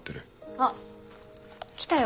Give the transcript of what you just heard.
あっ来たよ